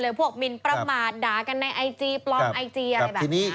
พวกมินประมาทด่ากันในไอจีปลอมไอจีอะไรแบบนี้